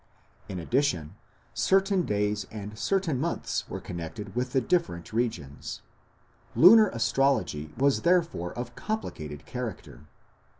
In addition, certain days and certain months were connected with the different regions. Lunar astrology was therefore of complicated character.